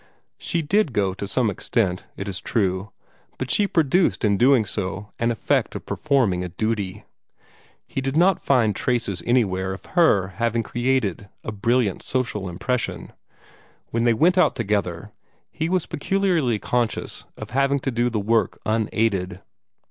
She did go to some extent, it is true, but she produced, in doing so, an effect of performing a duty. He did not find traces anywhere of her having created a brilliant social impression. When they went out together, he was peculiarly conscious of having to do the work unaided.